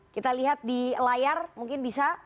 kita lihat di layar mungkin bisa